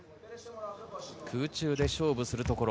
空中で勝負するところ。